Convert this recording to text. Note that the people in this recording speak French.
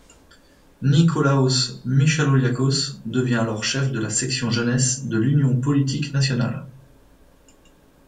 Nikólaos Michaloliákos devient alors chef de la section jeunesse de l’Union politique nationale.